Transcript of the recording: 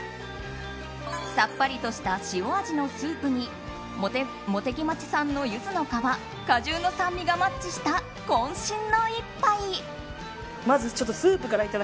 さっぱりとした塩味のスープに茂木町産のユズの皮果汁の酸味がマッチした渾身の一杯。